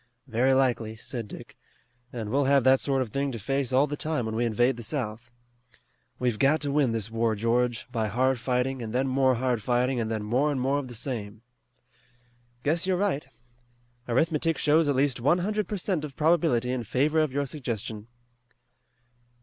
"Very likely," said Dick, "and we'll have that sort of thing to face all the time when we invade the South. We've got to win this war, George, by hard fighting, and then more hard fighting, and then more and more of the same." "Guess you're right. Arithmetic shows at least one hundred per cent of probability in favor of your suggestion."